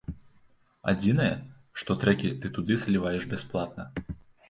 Адзінае, што трэкі ты туды заліваеш бясплатна.